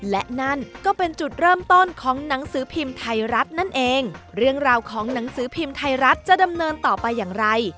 และนั่นก็เป็นจุดเริ่มต้นของหนังสือพิมพ์ไทยรัฐนั่นเองเรื่องราวของหนังสือพิมพ์ไทยรัฐจะดำเนินต่อไปอย่างไร